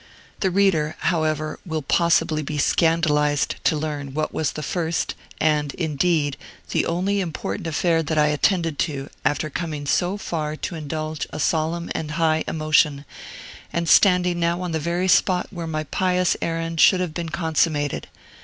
The reader, however, will possibly be scandalized to learn what was the first, and, indeed, the only important affair that I attended to, after coming so far to indulge a solemn and high emotion, and standing now on the very spot where my pious errand should have been consummated.